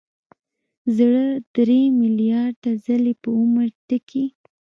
زړه درې ملیارده ځلې په عمر ټکي.